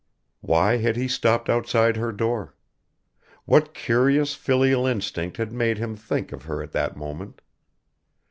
Why had he stopped outside her door? What curious filial instinct had made him think of her at that moment?